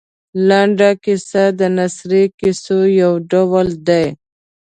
لنډه کیسه د نثري کیسو یو ډول دی.